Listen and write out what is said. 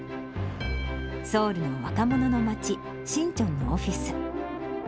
ソウルの若者の街、シンチョンのオフィス。